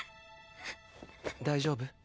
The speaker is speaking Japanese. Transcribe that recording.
大丈夫？